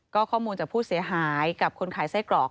ก็ข้อมูลจากผู้เสียหายกับคนขายไส้กรอก